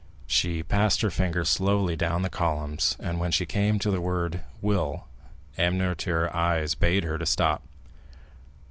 She passed her finger slowly down the columns, and when she came to the word "Will," M. Noirtier's eye bade her stop.